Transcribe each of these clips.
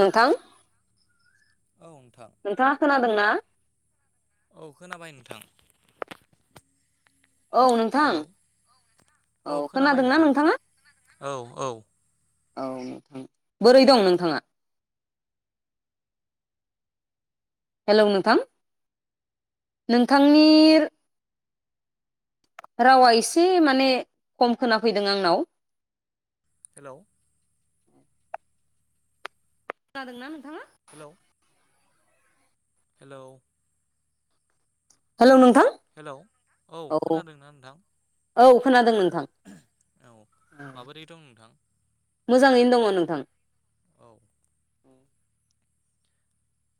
नोंथां नोंथाङा खोनादोंना औ खोनाबाय नोंथां औ नोंथां औ खोनादोंना नोंथांआ [unintelligible] बोरै दं नोंथाङा हेलौ नोंथां नोंथांनि रावा एसे माने खम खोनाफैदों आंनाव हेलौ खोनादोंना नोंथाङा? हेलौ हेलौ हेलौ नों हेलौ औ खोनादोंना नोंथां? औ खोनादोंमोन औ माबोरै दं नोंथां मोजाङैनो दङ नोंथां। औ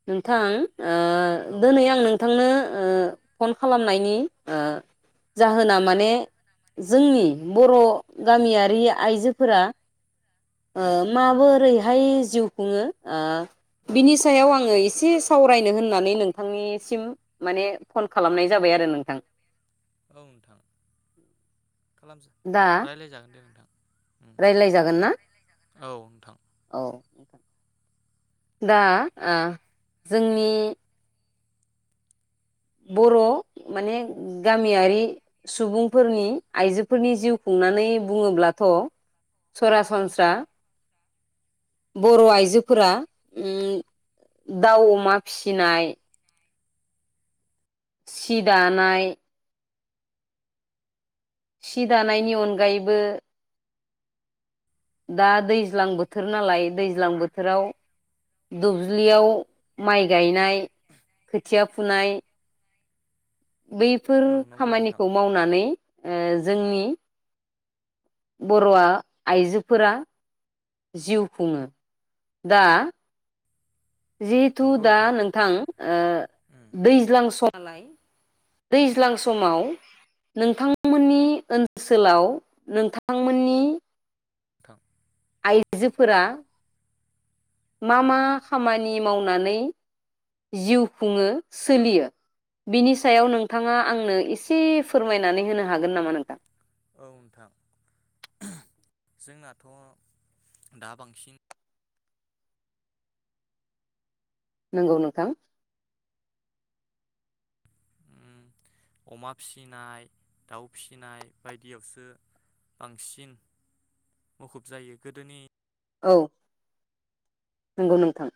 नोंथां ओ दोनै आं नोंथांनो ओ फन खालामनायनि ओ जाहोना माने जोंनि बर गामियारि आइजो फोरा ओ माबोरैहाय जिउ खुङो ओ बिनि सायाव आं ङो एसे सावरायनो होननानै नोंथांनिसिम माने फन खालामनाय जाबाय आरो नोंथां औ नोथां खालाम रायलायजागोन दे नोंथां रायलाय जागोन ना औ [inaudible] [inaudible] दा ओ जोंनि बर माने गामियारि सुबुंफोरनि आइजोफोरनि जिउ खुंनानै बुनङोब्लाथ सरासनस्रा बर आइजोफोरा दाउ ओ अमा फिसिनाय सि दानाय सि दानायनि अनगायैबो दा दैज्लां बोथोर नालाय दैज्लां बोथोराव दुब्लियाव माइ गायनाय खोथिया फुनाय बैफोर खामानिखौ मावनानै जोंनि बरआ आइजो फोरा जिउ खुंङो दा जिहेथु दा नोंथां ओ दैज्लां सम मालाय दैज्लां समाव नोंथांमोननि ओनसोलाव नोंथांमोननि थां आइजोफोरा मा मा खामानि मावनानै जिउ खुङो सोलियो बिनि सायाव नोंथाङा आंनो एसे फोरमायनानै होनो हागोन नामा नोंथां औ नोंथां जोंनाथ दा बांसिन नंगौ नोंथां अमा फिसिनाय दाउ फिसिनाय बायदियावसो बांसिन मुखुब जायो गोदोनि औ नंगौ नोंथां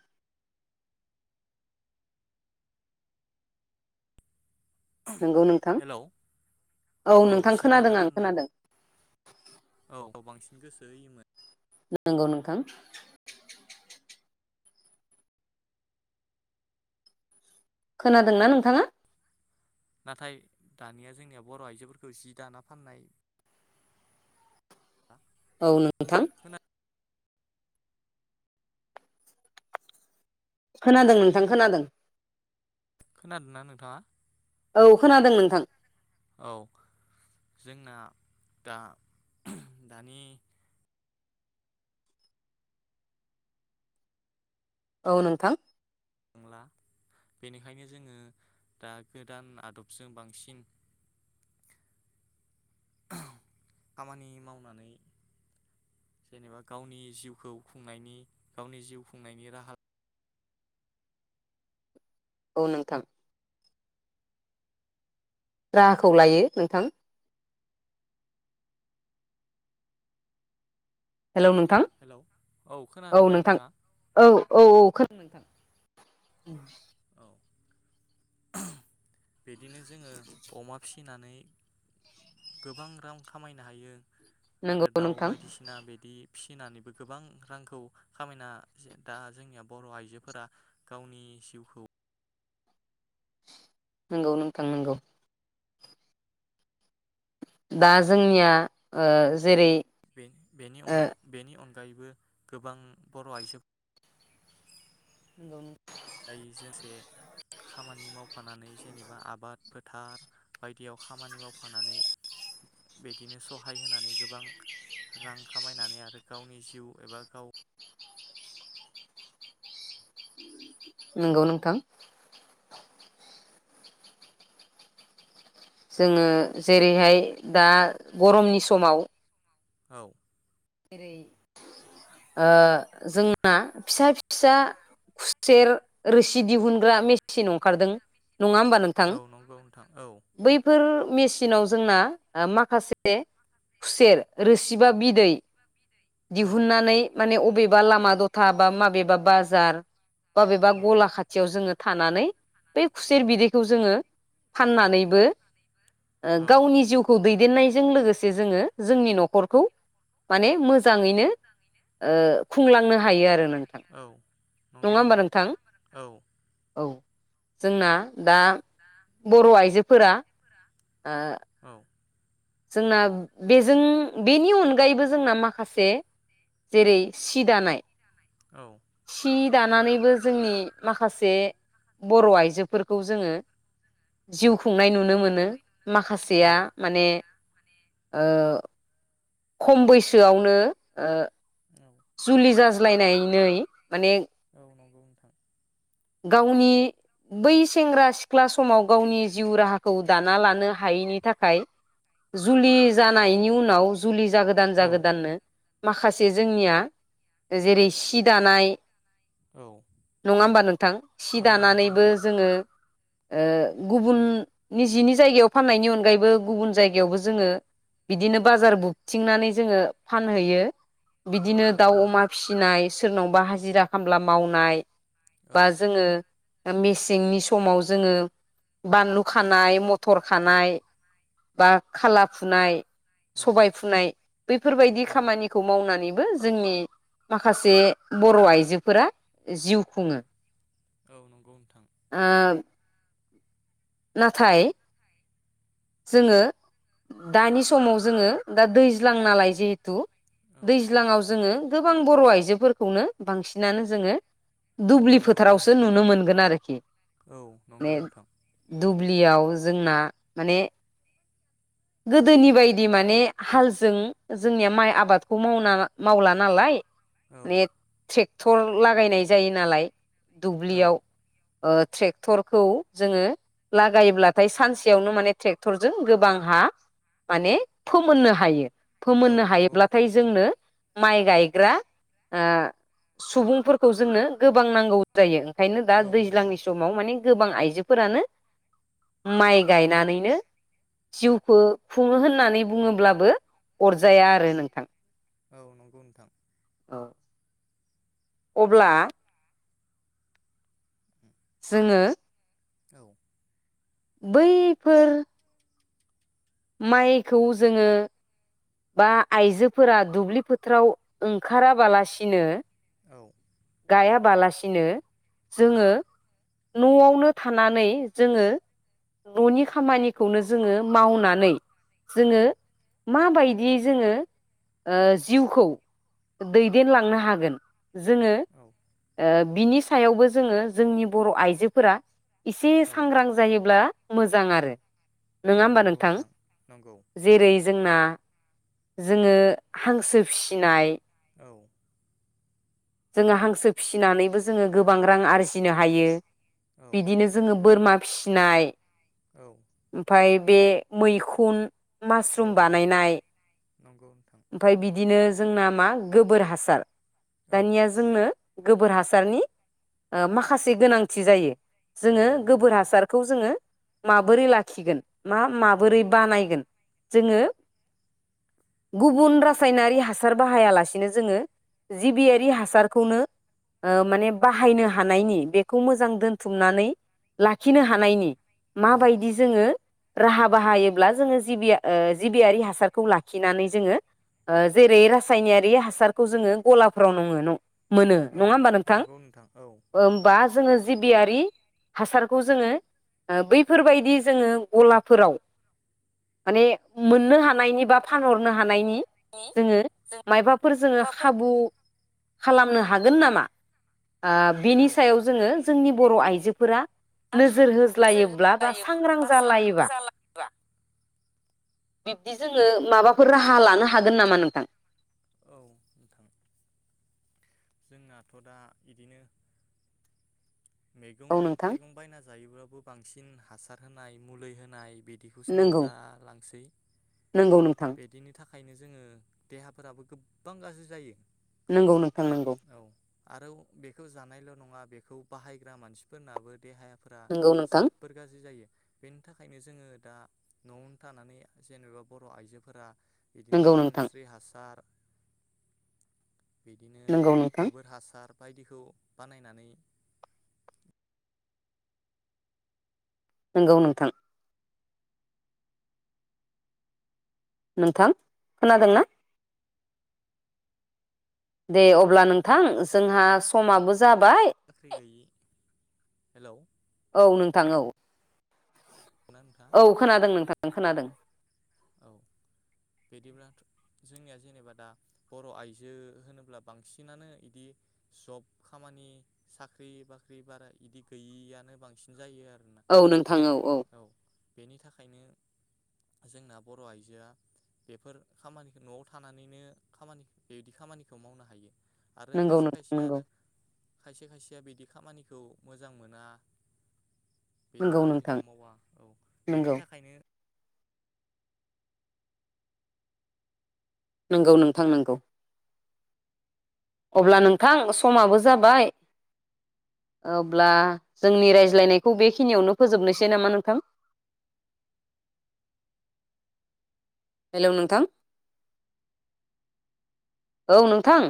नंगौ नोंथां औ नोंथां खोनादों आं खोनादों औ बांसिन गोसो होयोमोन नंगौ नोंथां खोनादोंना नोंथाङा नाथाय दानिया जोंनिया बर आइजोफोरखौ जि दाना फाननाय औ नोंथां खोनादों नोंथां खोनादों खोनादोंना नोंथाङा औ खोनादों नोंथां औ जोंना दा दानि औ नोंथां नांला बेनिखायनो जोंङो दा गोदान आदबजों बांसिन खामानि मावनानै जेनेबा गावनि जिउखौ खुंनायनि गावनि जिउ खुंनायनि राहा औ नोंथां राहाखौ लायो नोंथां हेलौ नोंथां औ नोंथां औ औ औ [unintelligible] [inaudible] बिदिनो जोंङो अमा फिसिनानै गोबां रां खामायनो हायो नंगौ आरो दाउ नोंथां बायदिसिना बिदि फिसिनानैबो गोबां रांखौ खामायना जे दा जोंनिया बर' आइजोफोरा गावनि जिउखौ नंगौ नोंथां नंगौ। दा जोंनिया ओ जेरै बे बेनि ओ अनगा बेनि अनगा फ्राइबो गोबां बर' आइजो [unintelligible] दायो खामानि मावफानानै जेनेबा आबाद फोथार बायदियाव खामानि मावफानानै बिदिनो सहाय होनानै गोबां रां खामायनानै आरो गावनि जिउ एबा गाव नोंगौ नोंथां। जोङो जेरैहाय दा गरमनि समाव औ। जेरै ओ जोंना फिसा फिसा खुसेर रोसि दिहुनग्रा मेसिन अंखारदों। नङा ओमबा नोंथां? बैफोर मेसिनाव जोंना ओ माखासे खुसेर रोसि बा बिदै दिहुननानै माने अबेबा लामा द'था बा माबेबा बाजार बबेबा गला खाथियाव जोङो थानानै बे खुसेर बिदैखौ जोङो फाननानैबो ओ गावनि जिउखौ दै देन्नायजों लोगोसे जोङो जोंनि न'खरखौ माने मोजाङैनो ओ खुंलांनो हायो आरो नों औ नंगौ नोंथां औ। औ जोंना दा बर' आइजोफोरा ओ जोंना बेजों बेनि अनगायैबो जोंना माखासे जेरै सि दानाय औ। हि दानानैबो जोंनि माखासे बर' आइजोफोरखौ जोङो जिउ खुंनाय नुनो मोनो। माखासेया माने ओ खम बैसोआवनो ओ जुलि जाज्लायनायनै माने औ नंगौ नोंथां। गावनि बै सेंग्रा सिख्ला समाव गावनि जिउ राहाखौ दाना लानो हायैनि थाखाय जुलि जानायनि उनाव जुलि जागोदान जागोदाननो माखासे जोंनिया जेरै सि दानाय औ। नङा ओमबा नों सि दानानैबो जोङो ओह गुबुन निजिनि जायगायाव फाननायनि अनगायैबो गुबुन जायगायावबो जोङो बिदिनो बाजार बुबथिंनानै जोङो फानहैयो। बिदिनो दाउ अमा फिसिनाय सोरनावबा हाजिरा खामला मावनाय। बा जोङो। मेसेंनि समाव जोङो बानलौ खानाय म थर खानाय। बा खाला फुनाय। सबाय फुनाय बैफोरबायदि खामानिखौ मावनानै जोंनि माखासे बर' आइजोफोरा जिउ खुङो। औ नंगौ नोंथां। ओ नाथाय, जोङो दानि समाव जोङो, दा दैज्लां नालाय जिहेथु दैज्लाङाव जोङो गोबां बर' आइजोफोरखौनो बांसिनानो जोङो। दुब्लि फोथारावसो नुनो मोनगोन आरोखि। मे दुब्लियाव जोंना माने, गोदोनि बायदि माने हालजों जोंनिया माइ आबादखौ मावना मावला नालाय। [unintelligible] ट्रेक्टर लागायनाय जायो नालाय। दुब्लियाव। ट्रेक्टरखौ जोङो। लागायोब्लाथाय सानसेयावनो माने ट्रेक्टरजों गोबां हा माने फोमोननो हायो। फोमोननो हायोब्लाथाय जोंनो। माइ गायग्रा सुबुंफोरखौ जोंनो गोबां नांगौ जायो। ओंखायनो दा दैज्लांनि समाव माने गोबां आइ आइजोफोरानो माइ गायनानैनो जिउखौ खुङो होननानै बुङोब्लाबो अरजाया आरो नोंथां। औ नंगौ नोंथां। औ अब्ला। जोङो। औ। बैफोर माइखौ जोङो, बा आइजोफोरा दुब्लि फोथाराव ओंखाराबालासिनो। औ। गायाबालासिनो जोङो। न'आवनो थानानै जोङो न'नि खामानिखौनो जोङो मावनानै जोङो। माबायदियै जोङो जिउखौ दैदेनलांनो हागोन जोङो। औ। ओ बिनि सायावबो जोङो जोंनि बर' आइजोफोरा। एसे सांग्रां जायोब्ला मोजां आरो नङा होमबा नोंथां जेरै जोंना जोङो हांसो फिसिनाय औ जोङो हांसो फिसिनानैबो जोङो गोबां रां आरजिनो हायो। बिदिनो जोङो बोरमा फिनाय ओमफाय बे मैखुन मासरुम बानायनाय ओमफ्राय बिदिनो जोंना मा गोबोर हासार दानिया जोंनो गोबोर हासारनि ओ माखासे गोनांथि जायो। जोङो गोबोर हासारखौ जोङो माबोरै लाखिगोन मा माबोरै बानायगोन जोङो गुबुन रासायनारि हासार बाहायालासिनो जोङो जिबियारि हासारखौनो ओ माने बाहायनो हानायनि बेखौ मोजां दोनथुमनानै लाखिनो हानायनि माबायदि जोङो राहा बाहायोब्ला जोङो जिबि ओ जिबियारि हासारखौ लाखिनानै जोङो जेरै रासायनारि हासारखौ जोङो गला फ्रानङो नं। मोनो नङा होमबा नोंथां ओमबा जों जोङो जिबियारि हासारखौ जोङो बैफोरबायदि जोङो गलाफोराव माने मोननो हानायनि बा फानहरनो हानायनि जों जोङो मायबाफोर जोङो माबाफोर खाबु खालामनो हागोन नामा ओ बिनि सायाव जोङो जोंनि बर' आइजोफोरा जोर नोजोर होज्लायोब्ला बा सांग्रां होलायोबा जालायोबा सांग्रां जालायोबा बिब्दि जोङो माबाफोर राहा लानो हागोन नामा नोंथां? औ नोंथां। जोंनाथ' दा बिदिनो मैगं औ नोंथां थाइगं बायना जायोब्लाबो बांसिन हासार होनाय मुलि होनाय बिदिखौसो नंगौ मोनजालांसै नंगौ नोंथां बिदिनि थाखाय बेखायनो जोङो देहाफोराबो गोबां गाज्रि जायो। नंगौ नों थां नंगौ। आरो बेखौ जानायल' नङा बेखौ बाहायग्रा मानसिफोरनाबो देहाया फोरा नंगौ नोंथां जोबोर गाज्रि जायो। बेनि थाखायनो जोङो दा न'आवनो थानानै जेनेबा बर' आइजोफोरा बिदिनो नंगौ नोंथां खानस्रि हासार। बिदिनो नंगौ नोंथां गोबोर हासार। बायदिखौ बानायनानै नोंगौ नोंथां नोंथां खोनादोंना दे अब्ला नोंथां जोंहा समाबो जाबाय। हेलौ औ नोंथां औ औ खोनादों नोंथां ओं खोनादों औ बिदिब्ला जोंनिया जेनेबा दा बर' आइजो होनोब्ला बांसिनानो इदि जब खामानि साख्रि बाख्रि बारा इदि गैयिआनो बांसिन जायो आरो औ नोंथां औ औ बेनि थाखायनो जोंना बर' आइजोआ बेफोर खामानिखो न'आव थानानैनो खामानि बेबायदि खामानिखौ मावनो हायो आरो नंगौ खायसे नोंथां खायसे नंगौ आरो खायसे खायसेया बेदि खामानिखौ मोजां मोना। बिदि नंगौ नोंथां खामानिखौ मावा औ बेनि नंगौ थाखायनो नोंगौ नोंथां नोंगौ अब्ला नोंथां समाबो जाबाय ओब्ला जोंनि रायज्लायनायखौ बेखिनियावनो फोजोबनोसै नामा नोंथां हेलौ नोंथां औ नोंथां